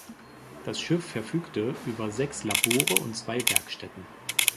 Das Schiff verfügte über sechs Labore und zwei Werkstätten.